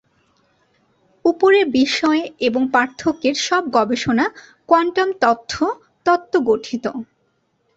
উপরে বিষয় এবং পার্থক্যের সব গবেষণা কোয়ান্টাম তথ্য তত্ত্ব গঠিত।